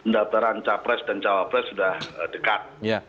dataran capres dan cawapres sudah dekat